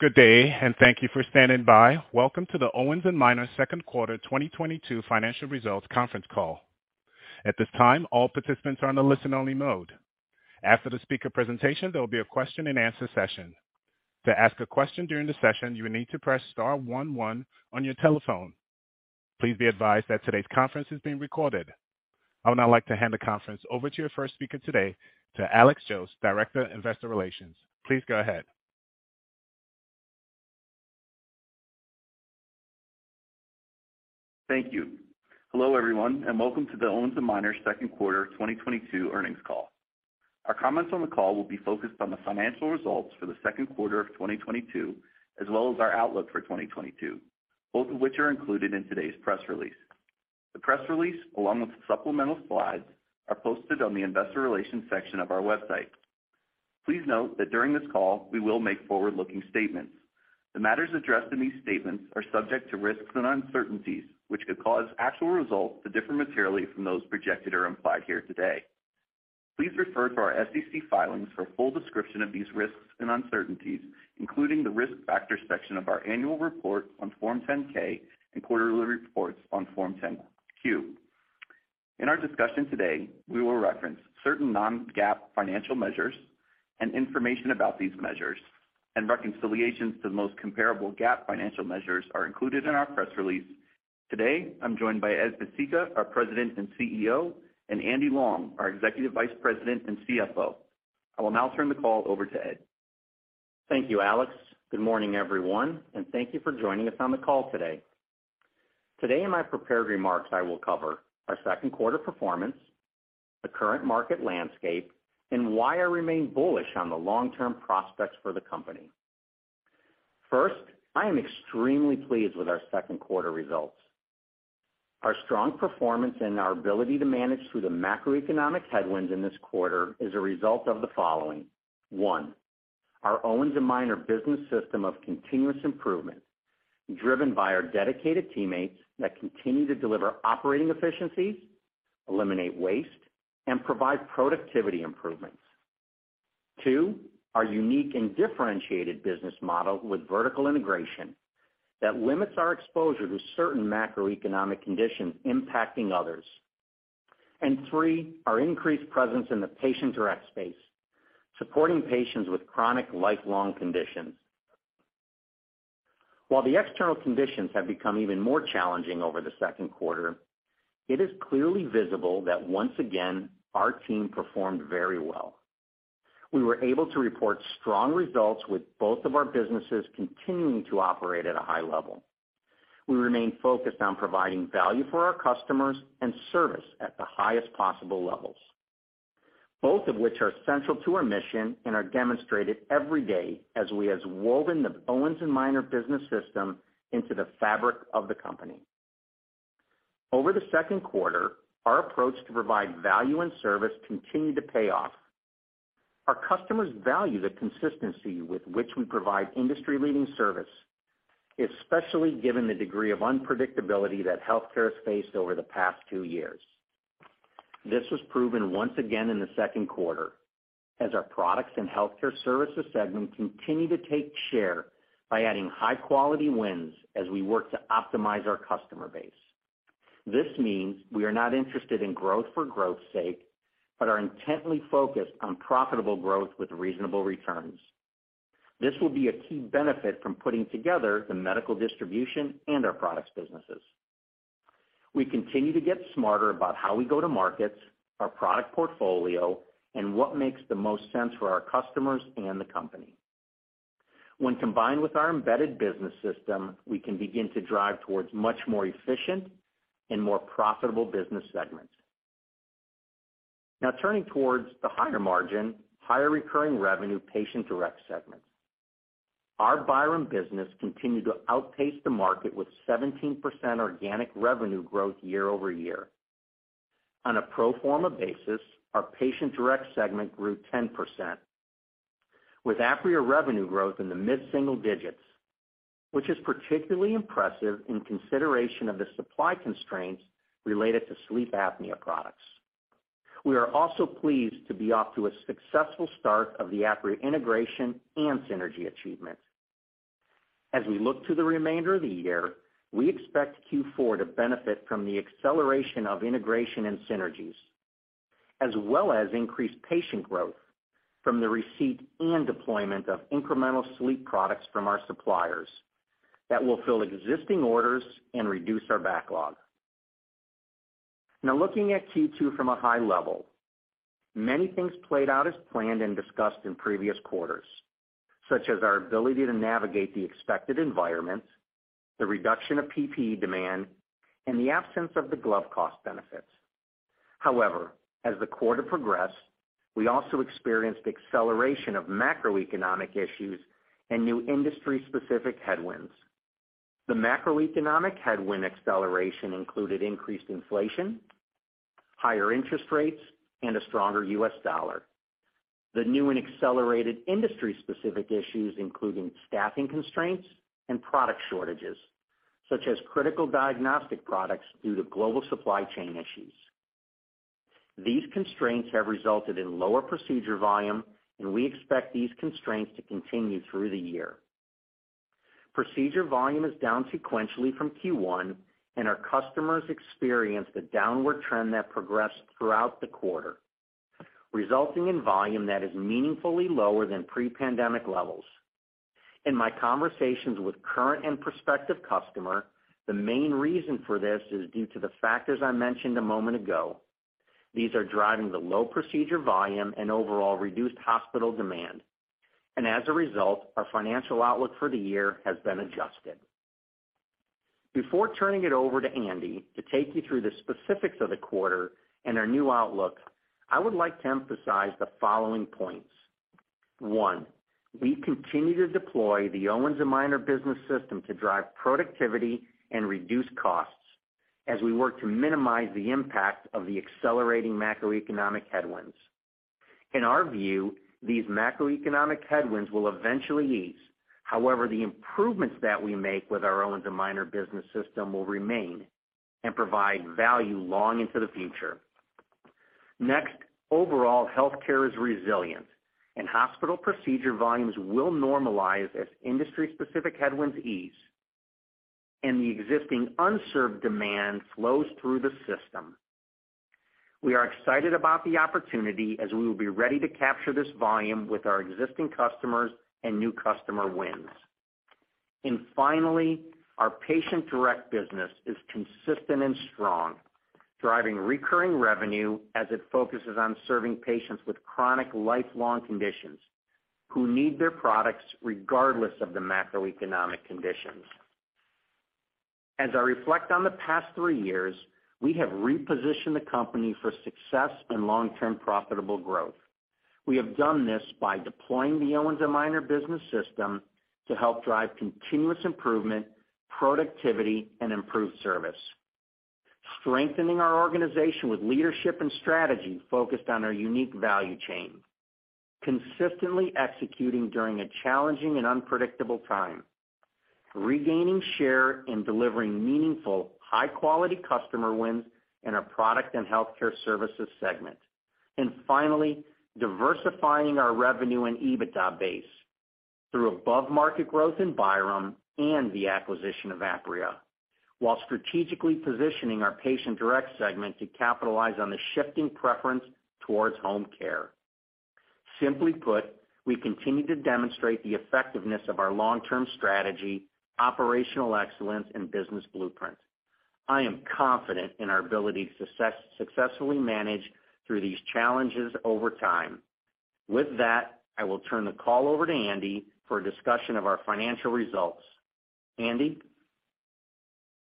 Good day, and thank you for standing by. Welcome to the Owens & Minor Second Quarter 2022 Financial Results Conference Call. At this time, all participants are on a listen-only mode. After the speaker presentation, there will be a question-and-answer session. To ask a question during the session, you will need to press star one one on your telephone. Please be advised that today's conference is being recorded. I would now like to hand the conference over to your first speaker today, to Alex Jost, Director of Investor Relations. Please go ahead. Thank you. Hello, everyone, and welcome to the Owens & Minor Second Quarter 2022 earnings call. Our comments on the call will be focused on the financial results for the second quarter of 2022, as well as our outlook for 2022, both of which are included in today's press release. The press release, along with the supplemental slides, are posted on the investor relations section of our website. Please note that during this call, we will make forward-looking statements. The matters addressed in these statements are subject to risks and uncertainties, which could cause actual results to differ materially from those projected or implied here today. Please refer to our SEC filings for a full description of these risks and uncertainties, including the risk factor section of our annual report on Form 10-K and quarterly reports on Form 10-Q. In our discussion today, we will reference certain non-GAAP financial measures. Information about these measures and reconciliations to the most comparable GAAP financial measures are included in our press release. Today, I'm joined by Ed Pesicka, our President and CEO, and Andy Long, our Executive Vice President and CFO. I will now turn the call over to Ed. Thank you, Alex. Good morning, everyone, and thank you for joining us on the call today. Today in my prepared remarks, I will cover our second quarter performance, the current market landscape, and why I remain bullish on the long-term prospects for the company. First, I am extremely pleased with our second quarter results. Our strong performance and our ability to manage through the macroeconomic headwinds in this quarter is a result of the following. One, our Owens & Minor business system of continuous improvement, driven by our dedicated teammates that continue to deliver operating efficiencies, eliminate waste, and provide productivity improvements. Two, our unique and differentiated business model with vertical integration that limits our exposure to certain macroeconomic conditions impacting others. Three, our increased presence in the Patient Direct space, supporting patients with chronic lifelong conditions. While the external conditions have become even more challenging over the second quarter, it is clearly visible that once again, our team performed very well. We were able to report strong results with both of our businesses continuing to operate at a high level. We remain focused on providing value for our customers and service at the highest possible levels, both of which are central to our mission and are demonstrated every day as we have woven the Owens & Minor business system into the fabric of the company. Over the second quarter, our approach to provide value and service continued to pay off. Our customers value the consistency with which we provide industry-leading service, especially given the degree of unpredictability that healthcare has faced over the past two years. This was proven once again in the second quarter as our Products & Healthcare Services segment continued to take share by adding high quality wins as we work to optimize our customer base. This means we are not interested in growth for growth's sake, but are intently focused on profitable growth with reasonable returns. This will be a key benefit from putting together the medical distribution and our products businesses. We continue to get smarter about how we go to markets, our product portfolio, and what makes the most sense for our customers and the company. When combined with our embedded business system, we can begin to drive towards much more efficient and more profitable business segments. Now turning towards the higher margin, higher recurring revenue Patient Direct segments. Our Byram business continued to outpace the market with 17% organic revenue growth year-over-year. On a pro forma basis, our Patient Direct segment grew 10%, with Apria revenue growth in the mid-single digits, which is particularly impressive in consideration of the supply constraints related to sleep apnea products. We are also pleased to be off to a successful start of the Apria integration and synergy achievement. As we look to the remainder of the year, we expect Q4 to benefit from the acceleration of integration and synergies, as well as increased patient growth from the receipt and deployment of incremental sleep products from our suppliers that will fill existing orders and reduce our backlog. Now looking at Q2 from a high level, many things played out as planned and discussed in previous quarters, such as our ability to navigate the expected environment, the reduction of PPE demand, and the absence of the glove cost benefits. However, as the quarter progressed, we also experienced acceleration of macroeconomic issues and new industry-specific headwinds. The macroeconomic headwind acceleration included increased inflation, higher interest rates, and a stronger U.S. dollar. The new and accelerated industry-specific issues including staffing constraints and product shortages, such as critical diagnostic products due to global supply chain issues. These constraints have resulted in lower procedure volume, and we expect these constraints to continue through the year. Procedure volume is down sequentially from Q1, and our customers experienced a downward trend that progressed throughout the quarter, resulting in volume that is meaningfully lower than pre-pandemic levels. In my conversations with current and prospective customer, the main reason for this is due to the factors I mentioned a moment ago. These are driving the low procedure volume and overall reduced hospital demand. As a result, our financial outlook for the year has been adjusted. Before turning it over to Andy to take you through the specifics of the quarter and our new outlook, I would like to emphasize the following points. One, we continue to deploy the Owens & Minor business system to drive productivity and reduce costs as we work to minimize the impact of the accelerating macroeconomic headwinds. In our view, these macroeconomic headwinds will eventually ease. However, the improvements that we make with our Owens & Minor business system will remain and provide value long into the future. Next, overall healthcare is resilient and hospital procedure volumes will normalize as industry-specific headwinds ease and the existing unserved demand flows through the system. We are excited about the opportunity as we will be ready to capture this volume with our existing customers and new customer wins. Finally, our Patient Direct business is consistent and strong, driving recurring revenue as it focuses on serving patients with chronic lifelong conditions who need their products regardless of the macroeconomic conditions. As I reflect on the past three years, we have repositioned the company for success and long-term profitable growth. We have done this by deploying the Owens & Minor business system to help drive continuous improvement, productivity, and improved service. Strengthening our organization with leadership and strategy focused on our unique value chain. Consistently executing during a challenging and unpredictable time. Regaining share and delivering meaningful, high quality customer wins in our Products & Healthcare Services segment. Finally, diversifying our revenue and EBITDA base through above-market growth in Byram and the acquisition of Apria, while strategically positioning our Patient Direct segment to capitalize on the shifting preference towards home care. Simply put, we continue to demonstrate the effectiveness of our long-term strategy, operational excellence and business blueprint. I am confident in our ability to successfully manage through these challenges over time. With that, I will turn the call over to Andy for a discussion of our financial results. Andy?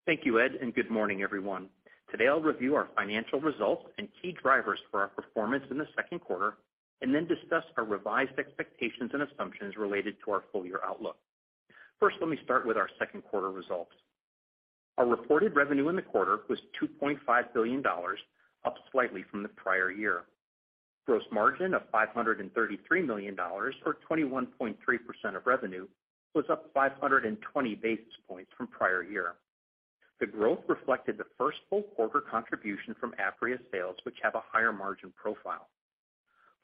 Thank you, Ed, and good morning, everyone. Today, I'll review our financial results and key drivers for our performance in the second quarter, and then discuss our revised expectations and assumptions related to our full year outlook. First, let me start with our second quarter results. Our reported revenue in the quarter was $2.5 billion, up slightly from the prior year. Gross margin of $533 million or 21.3% of revenue was up 520 basis points from prior year. The growth reflected the first full quarter contribution from Apria sales, which have a higher margin profile.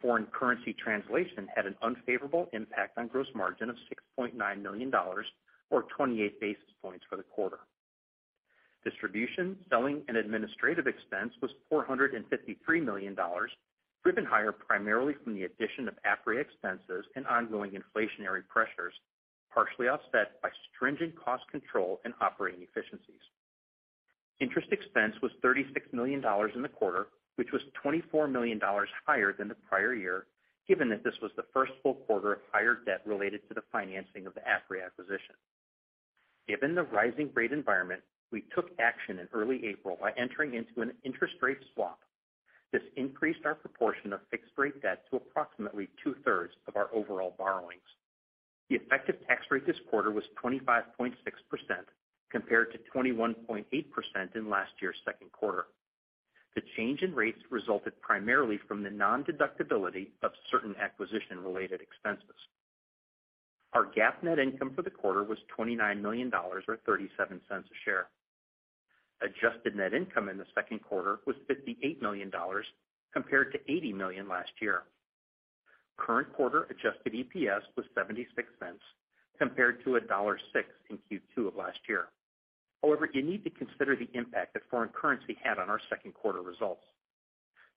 Foreign currency translation had an unfavorable impact on gross margin of $6.9 million or 28 basis points for the quarter. Distribution, selling, and administrative expense was $453 million, driven higher primarily from the addition of Apria expenses and ongoing inflationary pressures, partially offset by stringent cost control and operating efficiencies. Interest expense was $36 million in the quarter, which was $24 million higher than the prior year, given that this was the first full quarter of higher debt related to the financing of the Apria acquisition. Given the rising rate environment, we took action in early April by entering into an interest rate swap. This increased our proportion of fixed rate debt to approximately 2/3 of our overall borrowings. The effective tax rate this quarter was 25.6%, compared to 21.8% in last year's second quarter. The change in rates resulted primarily from the nondeductibility of certain acquisition-related expenses. Our GAAP net income for the quarter was $29 million or $0.37 a share. Adjusted net income in the second quarter was $58 million compared to $80 million last year. Current quarter adjusted EPS was $0.76 compared to $1.06 in Q2 of last year. However, you need to consider the impact that foreign currency had on our second quarter results.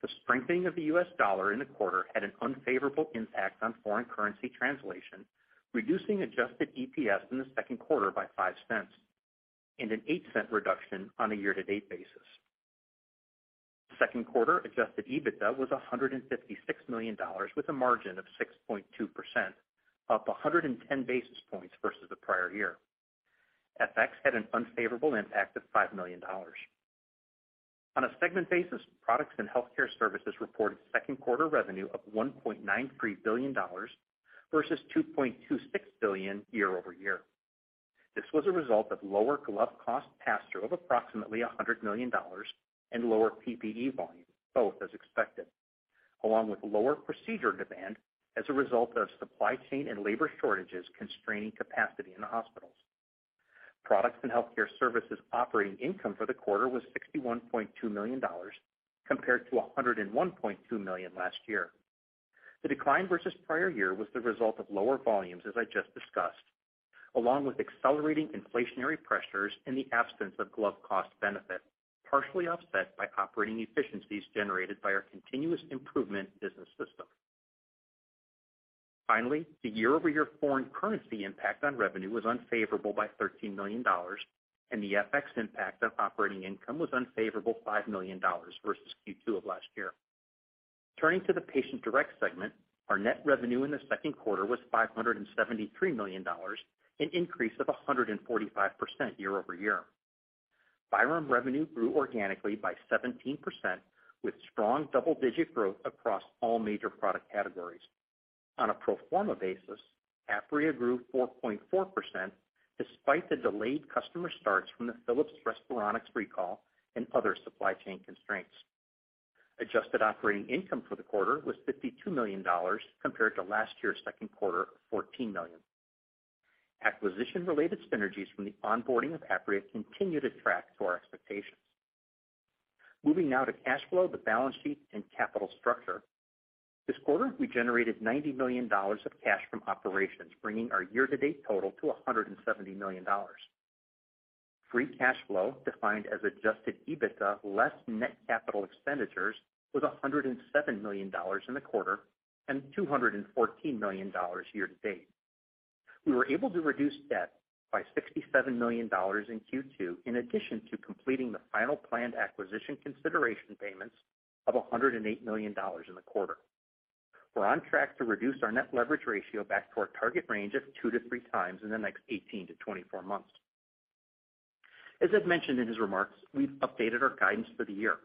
The strengthening of the U.S. dollar in the quarter had an unfavorable impact on foreign currency translation, reducing adjusted EPS in the second quarter by $0.05, and an $0.08 reduction on a year-to-date basis. Second quarter adjusted EBITDA was $156 million with a margin of 6.2%, up 110 basis points versus the prior year. FX had an unfavorable impact of $5 million. On a segment basis, Products & Healthcare Services reported second quarter revenue of $1.93 billion versus $2.26 billion year-over-year. This was a result of lower glove cost pass-through of approximately $100 million and lower PPE volume, both as expected, along with lower procedure demand as a result of supply chain and labor shortages constraining capacity in the hospitals. Products & Healthcare Services operating income for the quarter was $61.2 million compared to $101.2 million last year. The decline versus prior year was the result of lower volumes, as I just discussed, along with accelerating inflationary pressures in the absence of glove cost benefit, partially offset by operating efficiencies generated by our continuous improvement business system. The year-over-year foreign currency impact on revenue was unfavorable by $13 million, and the FX impact on operating income was unfavorable $5 million versus Q2 of last year. Turning to the Patient Direct segment, our net revenue in the second quarter was $573 million, an increase of 145% year-over-year. Byram revenue grew organically by 17%, with strong double-digit growth across all major product categories. On a pro forma basis, Apria grew 4.4% despite the delayed customer starts from the Philips Respironics recall and other supply chain constraints. Adjusted operating income for the quarter was $52 million compared to last year's second quarter of $14 million. Acquisition-related synergies from the onboarding of Apria continue to track to our expectations. Moving now to cash flow, the balance sheet and capital structure. This quarter, we generated $90 million of cash from operations, bringing our year-to-date total to $170 million. Free cash flow, defined as adjusted EBITDA less net capital expenditures, was $107 million in the quarter and $214 million year-to-date. We were able to reduce debt by $67 million in Q2, in addition to completing the final planned acquisition consideration payments of $108 million in the quarter. We're on track to reduce our net leverage ratio back to our target range of two to three times in the next 18 months-24 months. As Ed mentioned in his remarks, we've updated our guidance for the year.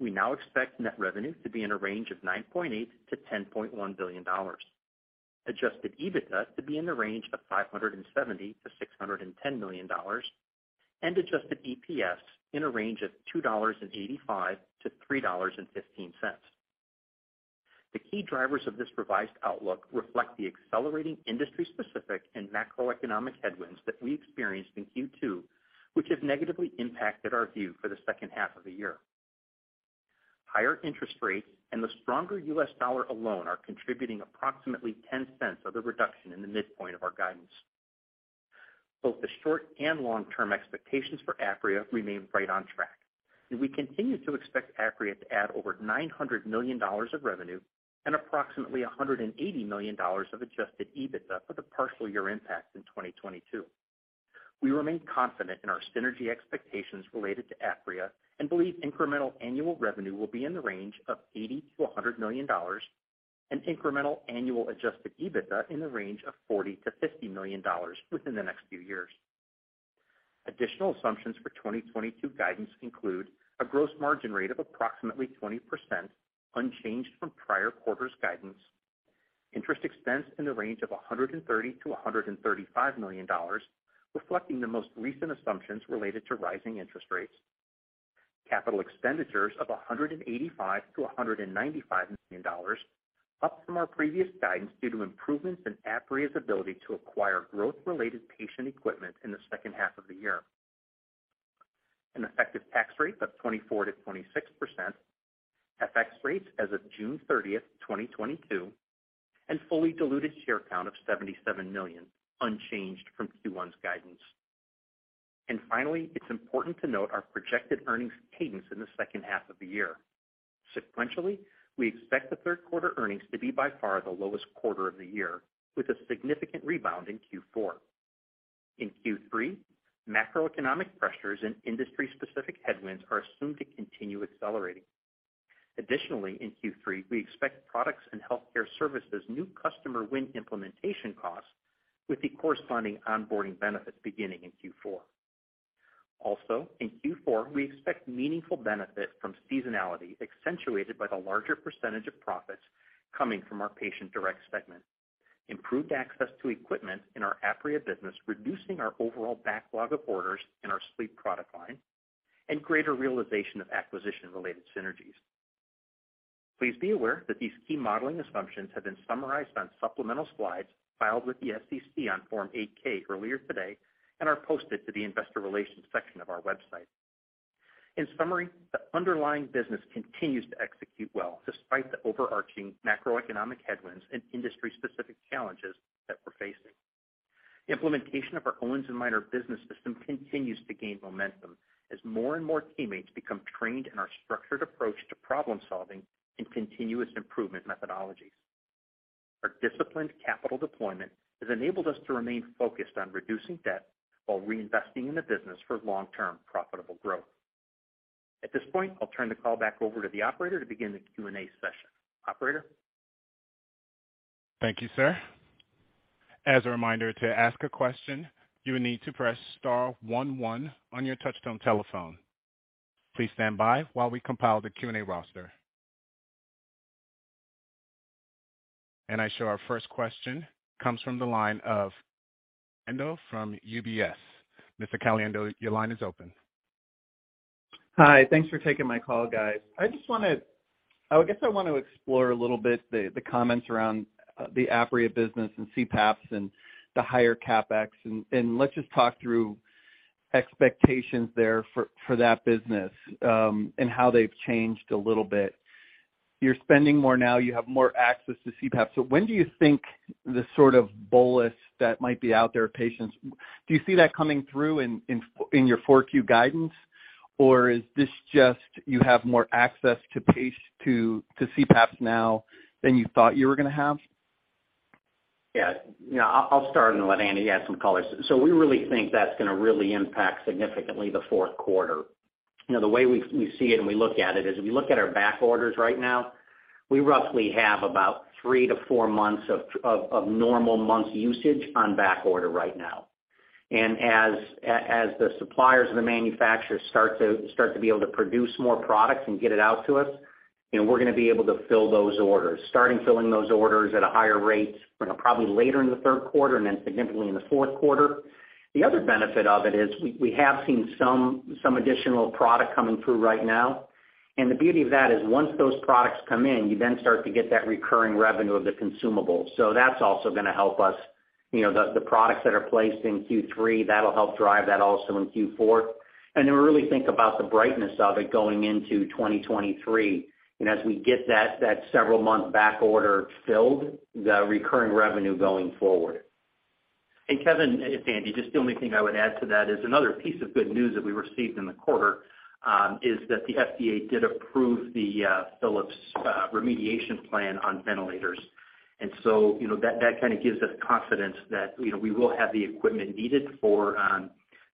We now expect net revenue to be in a range of $9.8 billion-$10.1 billion. Adjusted EBITDA to be in the range of $570 million-$610 million, and adjusted EPS in a range of $2.85-$3.15. The key drivers of this revised outlook reflect the accelerating industry-specific and macroeconomic headwinds that we experienced in Q2, which have negatively impacted our view for the second half of the year. Higher interest rates and the stronger U.S. dollar alone are contributing approximately $0.10 of the reduction in the midpoint of our guidance. Both the short and long-term expectations for Apria remain right on track, and we continue to expect Apria to add over $900 million of revenue and approximately $180 million of adjusted EBITDA for the partial year impact in 2022. We remain confident in our synergy expectations related to Apria and believe incremental annual revenue will be in the range of $80 million-$100 million and incremental annual adjusted EBITDA in the range of $40 million-$50 million within the next few years. Additional assumptions for 2022 guidance include a gross margin rate of approximately 20%, unchanged from prior quarter's guidance. Interest expense in the range of $130 million-$135 million, reflecting the most recent assumptions related to rising interest rates. Capital expenditures of $185 million-$195 million, up from our previous guidance due to improvements in Apria's ability to acquire growth-related patient equipment in the second half of the year. An effective tax rate of 24%-26%. FX rates as of June 30th, 2022. Fully diluted share count of 77 million, unchanged from Q1's guidance. Finally, it's important to note our projected earnings cadence in the second half of the year. Sequentially, we expect the third quarter earnings to be by far the lowest quarter of the year, with a significant rebound in Q4. In Q3, macroeconomic pressures and industry specific headwinds are assumed to continue accelerating. Additionally, in Q3, we expect Products & Healthcare Services new customer win implementation costs with the corresponding onboarding benefits beginning in Q4. Also, in Q4, we expect meaningful benefit from seasonality, accentuated by the larger percentage of profits coming from our Patient Direct segment, improved access to equipment in our Apria business, reducing our overall backlog of orders in our sleep product line, and greater realization of acquisition-related synergies. Please be aware that these key modeling assumptions have been summarized on supplemental slides filed with the SEC on Form 8-K earlier today and are posted to the investor relations section of our website. In summary, the underlying business continues to execute well despite the overarching macroeconomic headwinds and industry specific challenges that we're facing. Implementation of our Owens & Minor business system continues to gain momentum as more and more teammates become trained in our structured approach to problem-solving and continuous improvement methodologies. Our disciplined capital deployment has enabled us to remain focused on reducing debt while reinvesting in the business for long-term profitable growth. At this point, I'll turn the call back over to the operator to begin the Q&A session. Operator? Thank you, sir. As a reminder, to ask a question, you will need to press star one one on your touchtone telephone. Please stand by while we compile the Q&A roster. I show our first question comes from the line of Kevin Caliendo from UBS. Mr. Caliendo, your line is open. Hi. Thanks for taking my call, guys. I just wanna. I guess I want to explore a little bit the comments around the Apria business and CPAPs and the higher CapEx. Let's just talk through expectations there for that business and how they've changed a little bit. You're spending more now, you have more access to CPAP. When do you think the sort of bolus that might be out there of patients, do you see that coming through in your 4Q guidance? Or is this just you have more access to CPAPs now than you thought you were gonna have? Yeah. You know, I'll start and let Andy add some color. We really think that's gonna really impact significantly the fourth quarter. You know, the way we see it and we look at it is we look at our back orders right now. We roughly have about three to four months of normal month usage on back order right now. As the suppliers and the manufacturers start to be able to produce more products and get it out to us, you know, we're gonna be able to fill those orders. Starting filling those orders at a higher rate, you know, probably later in the third quarter and then significantly in the fourth quarter. The other benefit of it is we have seen some additional product coming through right now. The beauty of that is once those products come in, you then start to get that recurring revenue of the consumables. That's also gonna help us. You know, the products that are placed in Q3, that'll help drive that also in Q4. Then we really think about the bright side of it going into 2023, and as we get that several-month back order filled, the recurring revenue going forward. Kevin, it's Andy. Just the only thing I would add to that is another piece of good news that we received in the quarter is that the FDA did approve the Philips remediation plan on ventilators. You know, that kinda gives us confidence that you know, we will have the equipment needed for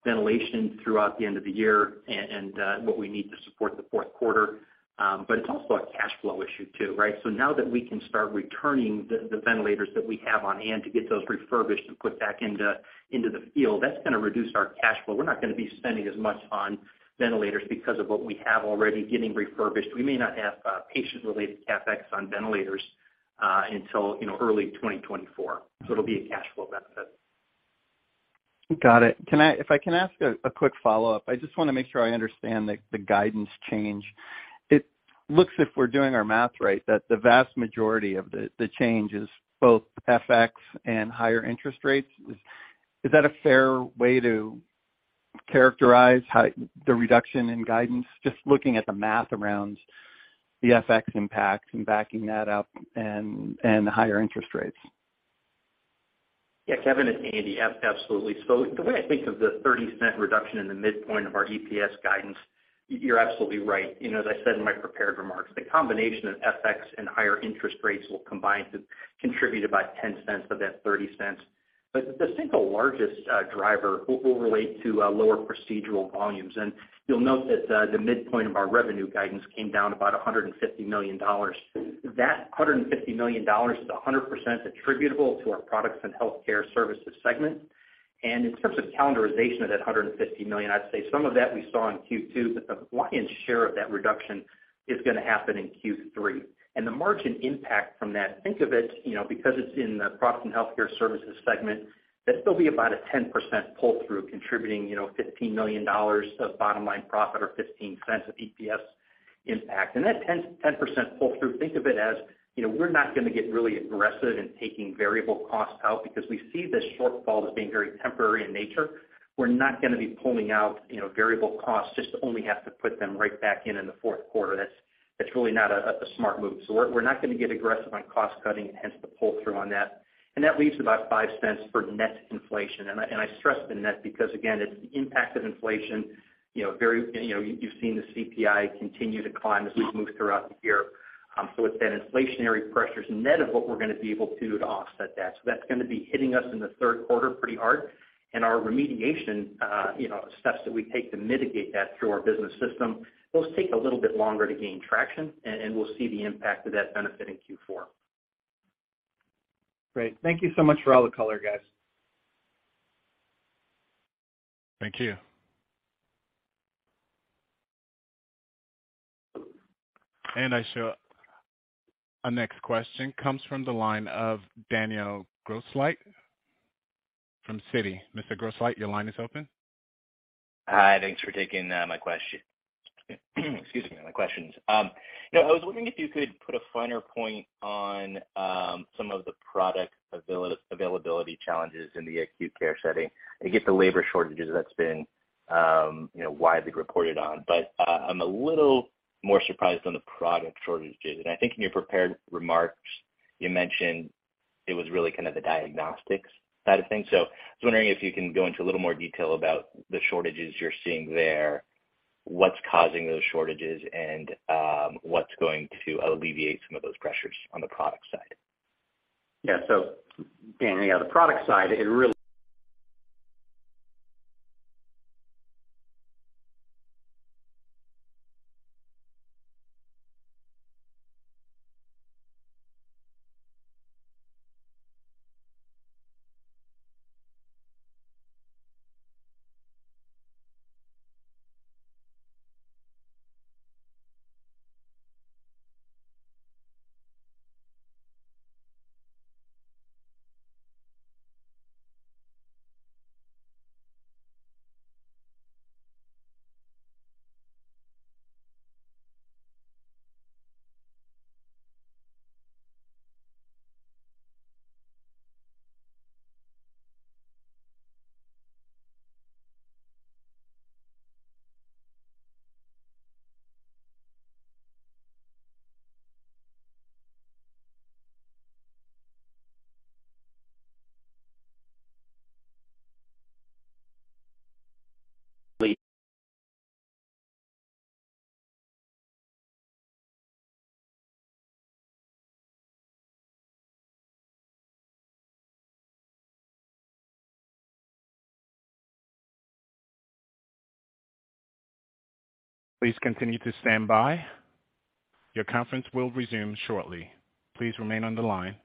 ventilation throughout the end of the year and what we need to support the fourth quarter. It's also a cash flow issue too, right? Now that we can start returning the ventilators that we have on hand to get those refurbished and put back into the field, that's gonna reduce our cash flow. We're not gonna be spending as much on ventilators because of what we have already getting refurbished. We may not have patient-related CapEx on ventilators until you know, early 2024. It'll be a cash flow benefit. If I can ask a quick follow-up. I just wanna make sure I understand the guidance change. It looks, if we're doing our math right, that the vast majority of the change is both FX and higher interest rates. Is that a fair way to characterize the reduction in guidance, just looking at the math around the FX impact and backing that up and the higher interest rates? Yeah, Kevin, it's Andy. Absolutely. The way I think of the $0.30 reduction in the midpoint of our EPS guidance, you're absolutely right. You know, as I said in my prepared remarks, the combination of FX and higher interest rates will combine to contribute about $0.10 of that $0.30. The single largest driver will relate to lower procedural volumes. You'll note that the midpoint of our revenue guidance came down about $150 million. That $150 million is 100% attributable to our Products & Healthcare Services segment. In terms of calendarization of that $150 million, I'd say some of that we saw in Q2, but the lion's share of that reduction is gonna happen in Q3. The margin impact from that, think of it, you know, because it's in the Products & Healthcare Services segment, that'll still be about a 10% pull-through contributing, you know, $15 million of bottom-line profit or $0.15 of EPS impact. That 10% pull-through, think of it as, you know, we're not gonna get really aggressive in taking variable costs out because we see this shortfall as being very temporary in nature. We're not gonna be pulling out, you know, variable costs just to only have to put them right back in in the fourth quarter. That's really not a smart move. We're not gonna get aggressive on cost-cutting, hence the pull-through on that. That leaves about $0.05 for net inflation. I stress the net because again, it's the impact of inflation, you know, very, you know, you've seen the CPI continue to climb as we've moved throughout the year. It's that inflationary pressures net of what we're gonna be able to offset that. That's gonna be hitting us in the third quarter pretty hard. Our remediation steps that we take to mitigate that through our business system take a little bit longer to gain traction. We'll see the impact of that benefit in Q4. Great. Thank you so much for all the color, guys. Thank you. Our next question comes from the line of Daniel Grosslight from Citi. Mr. Grosslight, your line is open. Hi. Thanks for taking my questions. You know, I was wondering if you could put a finer point on some of the product availability challenges in the acute care setting. I get the labor shortages that's been you know, widely reported on, but I'm a little more surprised on the product shortages. I think in your prepared remarks, you mentioned it was really kind of the diagnostics side of things. I was wondering if you can go into a little more detail about the shortages you're seeing there, what's causing those shortages, and what's going to alleviate some of those pressures on the product side. Yeah. Dan, yeah, the product side, it really. Please continue to stand by. Your conference will resume shortly. Please remain on the line.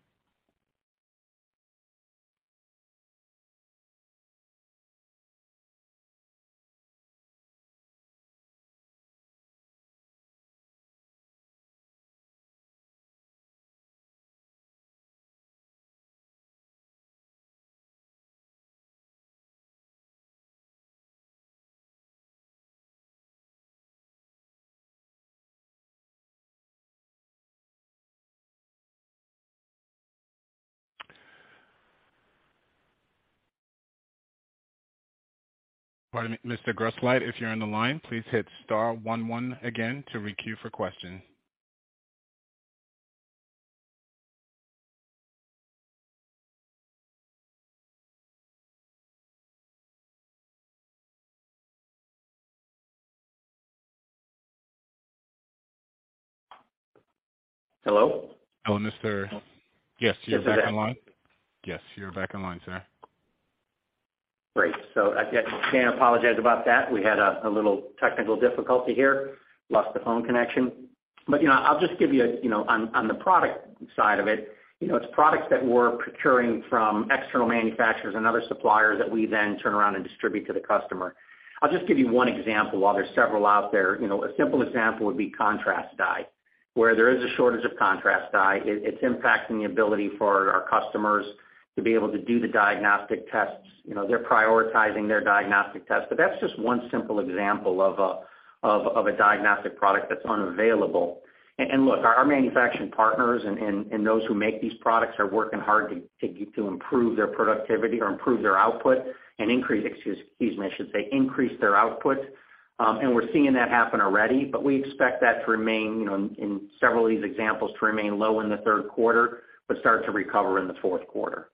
Pardon me. Mr. Grosslight, if you're on the line, please hit star one one again to re-queue for questions. Hello? Hello, mister. Yes, you're back on line. Yes, you're back on line, sir. Great. Again, apologize about that. We had a little technical difficulty here. Lost the phone connection. You know, I'll just give you know, on the product side of it, you know, it's products that we're procuring from external manufacturers and other suppliers that we then turn around and distribute to the customer. I'll just give you one example while there's several out there. You know, a simple example would be contrast dye. Where there is a shortage of contrast dye it's impacting the ability for our customers to be able to do the diagnostic tests. You know, they're prioritizing their diagnostic tests. That's just one simple example of a diagnostic product that's unavailable. Look, our manufacturing partners and those who make these products are working hard to improve their productivity or improve their output. Excuse me, I should say, increase their output. We're seeing that happen already. We expect that to remain, you know, in several of these examples to remain low in the third quarter, but start to recover in the fourth quarter.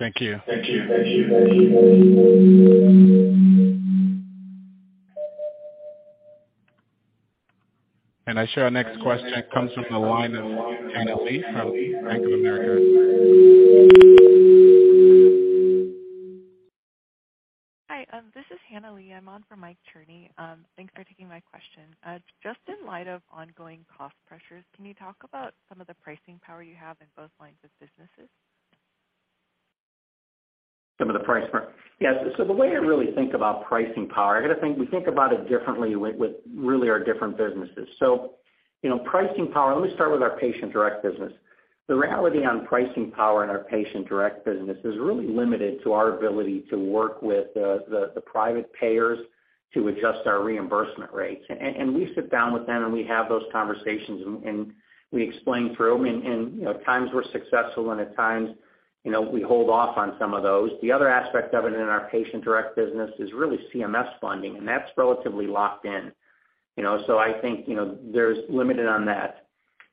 Thank you. I show our next question comes from the line of Hanna Lee from Bank of America. Hi, this is Hanna Lee. I'm on for Mike Cherny. Thanks for taking my question. Just in light of ongoing cost pressures, can you talk about some of the pricing power you have in both lines of businesses? Yes. The way I really think about pricing power, I gotta think we think about it differently with really our different businesses. You know, pricing power, let me start with our Patient Direct business. The reality on pricing power in our Patient Direct business is really limited to our ability to work with the private payers to adjust our reimbursement rates. We sit down with them, and we have those conversations, and we explain through. You know, at times we're successful, and at times, you know, we hold off on some of those. The other aspect of it in our Patient Direct business is really CMS funding, and that's relatively locked in. You know, I think, you know, there's limited on that.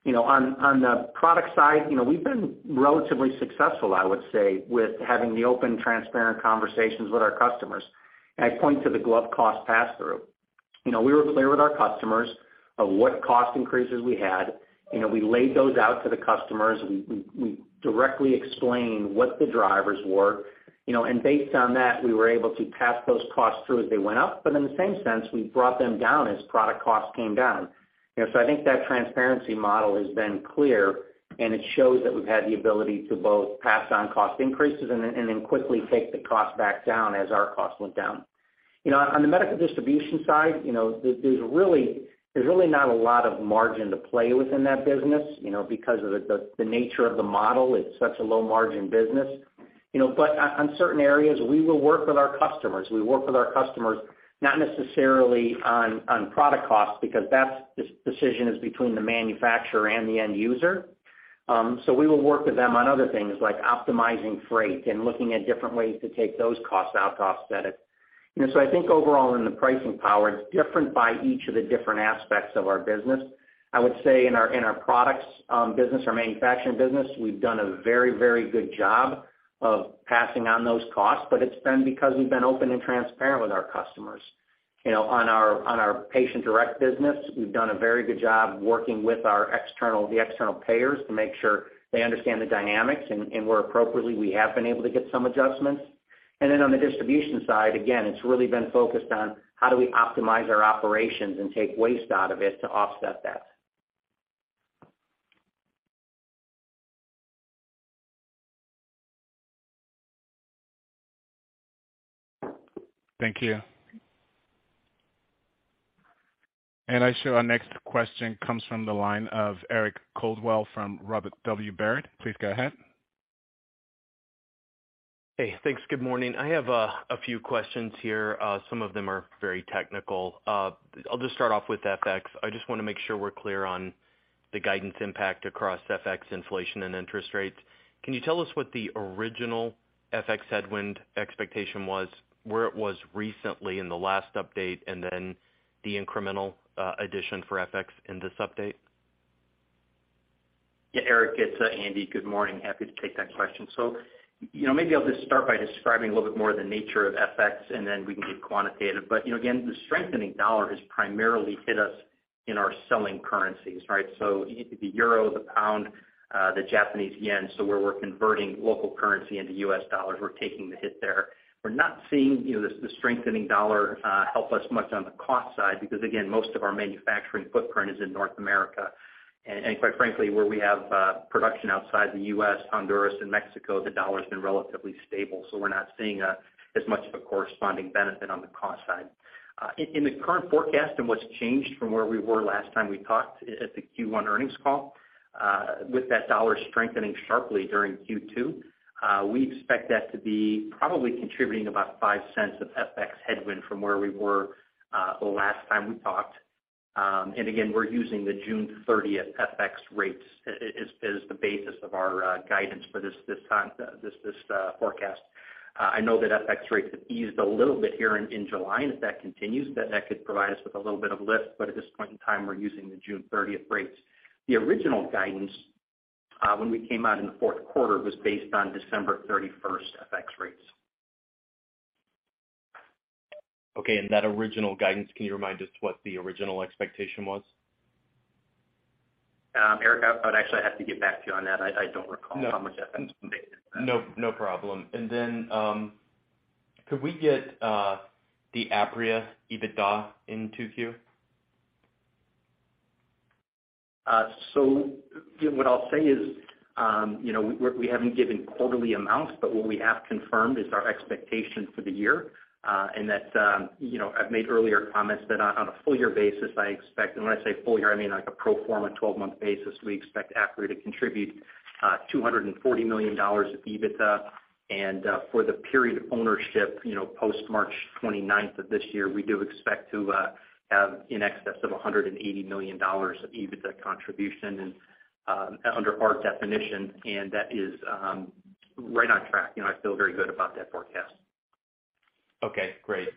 You know, on the product side, you know, we've been relatively successful, I would say, with having the open, transparent conversations with our customers. I point to the glove cost pass through. You know, we were clear with our customers of what cost increases we had. You know, we laid those out to the customers. We directly explained what the drivers were. You know, and based on that, we were able to pass those costs through as they went up, but in the same sense, we brought them down as product costs came down. You know, I think that transparency model has been clear, and it shows that we've had the ability to both pass on cost increases and then quickly take the cost back down as our costs went down. You know, on the medical distribution side, you know, there's really not a lot of margin to play within that business, you know, because of the nature of the model. It's such a low margin business. You know, on certain areas, we will work with our customers. We work with our customers, not necessarily on product costs, because that's decision is between the manufacturer and the end user. We will work with them on other things like optimizing freight and looking at different ways to take those costs out to offset it. You know, I think overall in the pricing power, it's different by each of the different aspects of our business. I would say in our products business or manufacturing business, we've done a very good job of passing on those costs, but it's been because we've been open and transparent with our customers. You know, on our Patient Direct business, we've done a very good job working with our external payers to make sure they understand the dynamics and where appropriately, we have been able to get some adjustments. On the distribution side, again, it's really been focused on how do we optimize our operations and take waste out of it to offset that. Thank you. I show our next question comes from the line of Eric Coldwell from Robert W. Baird. Please go ahead. Hey, thanks. Good morning. I have a few questions here. Some of them are very technical. I'll just start off with FX. I just wanna make sure we're clear on the guidance impact across FX inflation and interest rates. Can you tell us what the original FX headwind expectation was, where it was recently in the last update, and then the incremental addition for FX in this update? Yeah. Eric, it's Andy. Good morning. Happy to take that question. You know, maybe I'll just start by describing a little bit more the nature of FX, and then we can get quantitative. You know, again, the strengthening dollar has primarily hit us in our selling currencies, right? The euro, the pound, the Japanese yen. Where we're converting local currency into U.S. dollars, we're taking the hit there. We're not seeing, you know, the strengthening dollar help us much on the cost side because, again, most of our manufacturing footprint is in North America. Quite frankly, where we have production outside the U.S., Honduras, and Mexico, the dollar's been relatively stable, so we're not seeing as much of a corresponding benefit on the cost side. In the current forecast and what's changed from where we were last time we talked at the Q1 earnings call, with that dollar strengthening sharply during Q2, we expect that to be probably contributing about $0.05 of FX headwind from where we were the last time we talked. We're using the June 30th FX rates as the basis of our guidance for this time, this forecast. I know that FX rates have eased a little bit here in July, and if that continues, then that could provide us with a little bit of lift. At this point in time, we're using the June 30th rates. The original guidance, when we came out in the fourth quarter, was based on December 31st FX rates. Okay. That original guidance, can you remind us what the original expectation was? Eric, I would actually have to get back to you on that. I don't recall- No. How much FX was made. No, no problem. Could we get the Apria EBITDA in 2Q? What I'll say is, you know, we haven't given quarterly amounts, but what we have confirmed is our expectation for the year, and that, you know, I've made earlier comments that on a full year basis, I expect when I say full year, I mean, like, a pro forma 12-month basis, we expect Apria to contribute $240 million of EBITDA. For the period of ownership, you know, post-March 29th of this year, we do expect to have in excess of $180 million of EBITDA contribution and, under our definition, and that is right on track. You know, I feel very good about that forecast. Okay, great.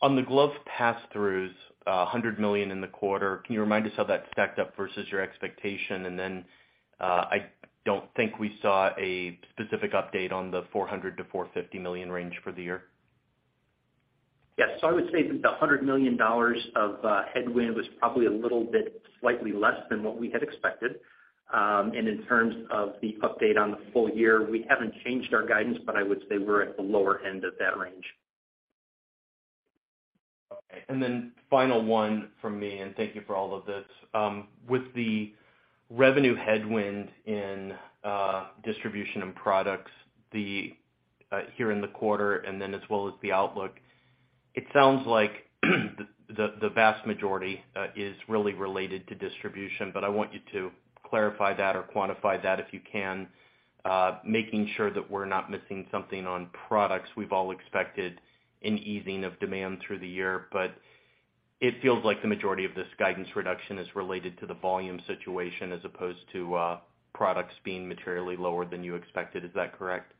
On the glove passthroughs, $100 million in the quarter, can you remind us how that stacked up versus your expectation? I don't think we saw a specific update on the $400 million-$450 million range for the year. Yes. I would say that the $100 million of headwind was probably a little bit slightly less than what we had expected. In terms of the update on the full year, we haven't changed our guidance, but I would say we're at the lower end of that range. Okay. Final one from me, and thank you for all of this. With the revenue headwind in distribution and products the here in the quarter and then as well as the outlook, it sounds like the vast majority is really related to distribution, but I want you to clarify that or quantify that if you can, making sure that we're not missing something on products. We've all expected an easing of demand through the year, but it feels like the majority of this guidance reduction is related to the volume situation as opposed to products being materially lower than you expected. Is that correct?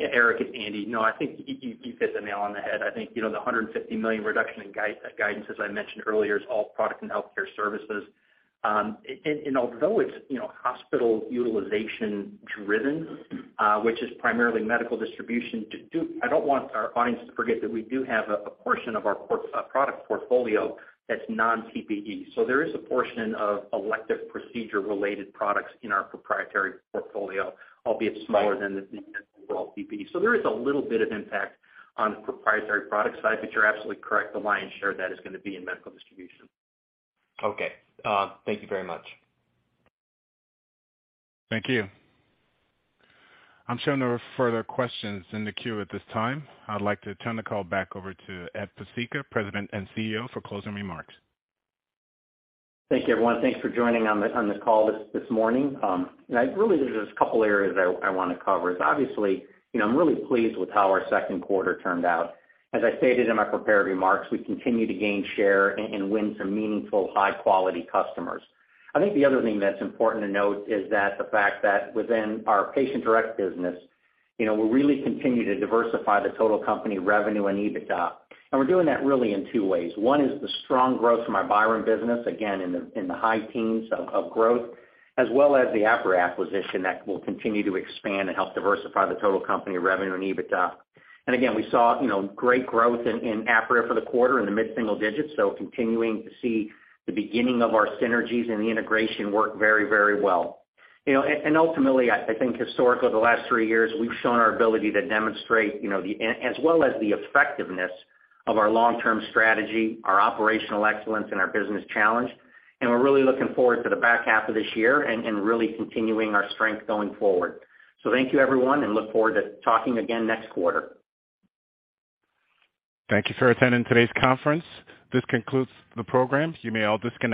Yeah, Eric, it's Andy. No, I think you hit the nail on the head. I think, you know, the $150 million reduction in guidance, as I mentioned earlier, is all Products & Healthcare Services. And although it's, you know, hospital utilization driven, which is primarily medical distribution, I don't want our audience to forget that we do have a portion of our product portfolio that's non-PPE. There is a portion of elective procedure related products in our proprietary portfolio, albeit smaller than the overall PPE. There is a little bit of impact on the proprietary product side, but you're absolutely correct, the lion's share of that is gonna be in medical distribution. Okay. Thank you very much. Thank you. I'm showing no further questions in the queue at this time. I'd like to turn the call back over to Ed Pesicka, President and CEO, for closing remarks. Thank you, everyone. Thanks for joining on this call this morning. Really, there's a couple areas I wanna cover. Obviously, you know, I'm really pleased with how our second quarter turned out. As I stated in my prepared remarks, we continue to gain share and win some meaningful high-quality customers. I think the other thing that's important to note is that the fact that within our Patient Direct business, you know, we really continue to diversify the total company revenue and EBITDA, and we're doing that really in two ways. One is the strong growth from our Byram business, again, in the high teens of growth, as well as the Apria acquisition that will continue to expand and help diversify the total company revenue and EBITDA. Again, we saw, you know, great growth in Apria for the quarter in the mid-single digits, so continuing to see the beginning of our synergies and the integration work very, very well. You know, and ultimately, I think historically, the last three years, we've shown our ability to demonstrate, you know, as well as the effectiveness of our long-term strategy, our operational excellence and our business challenge. We're really looking forward to the back half of this year and really continuing our strength going forward. Thank you, everyone, and look forward to talking again next quarter. Thank you for attending today's conference. This concludes the program. You may all disconnect.